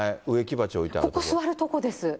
ここ、座る所です。